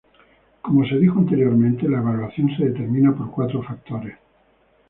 Como se dijo anteriormente, la evaluación se determina por cuatro factores.